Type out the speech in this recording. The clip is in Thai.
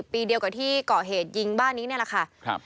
ปีเดียวกับที่เกาะเหตุยิงบ้านนี้นี่แหละค่ะ